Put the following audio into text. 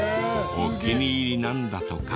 お気に入りなんだとか。